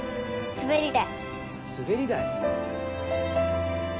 滑り台？